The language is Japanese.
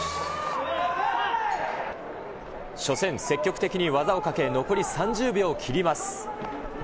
初戦、積極的に技をかけ、残り３０秒を切ります。